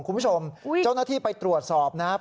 คุณผู้ชมเจ้าหน้าที่ไปตรวจสอบนะครับ